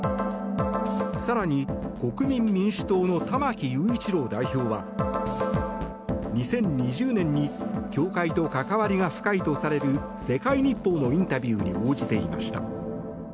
更に、国民民主党の玉木雄一郎代表は２０２０年に教会と関わりが深いとされる世界日報のインタビューに応じていました。